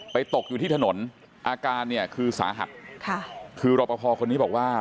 ไปตกอยู่ที่ถนนอาการคือสาหักคือรอประพอคนนี้บอกว่า